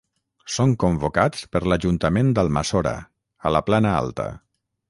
Són convocats per l'Ajuntament d'Almassora, a la Plana Alta.